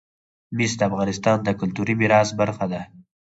مس د افغانستان د کلتوري میراث برخه ده.